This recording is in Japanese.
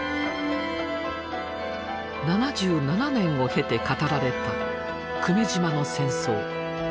７７年を経て語られた久米島の戦争。